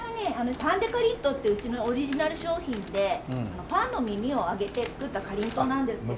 パンデカリントっていううちのオリジナル商品でパンの耳を揚げて作ったかりんとうなんですけれども。